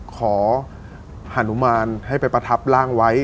หานุมานให้ไปประทับร่างไว้